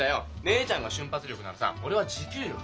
姉ちゃんが瞬発力ならさ俺は持久力。